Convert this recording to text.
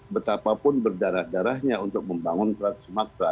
betapapun berdarah darahnya untuk membangun trans sumatera